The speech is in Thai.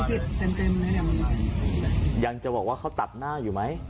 อันนี้อันนี้มันติดเต็มเต็มเลยเนี้ยยังจะบอกว่าเขาตัดหน้าอยู่ไหม